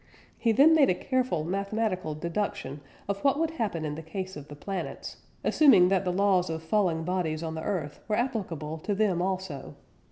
He then made a careful mathematical deduction of what would happen in the case of the planets, assuming that the laws of falling bodies on the earth were applicable to them also.